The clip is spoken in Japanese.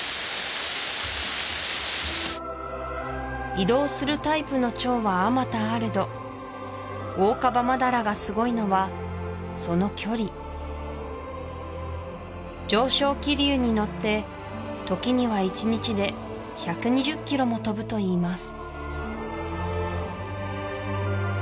移動するタイプの蝶はあまたあれどオオカバマダラがすごいのはその距離上昇気流に乗って時には１日で１２０ｋｍも飛ぶといいます